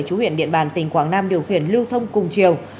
chú huyện điện bàn tỉnh quảng nam điều khiển lưu thông cùng chiều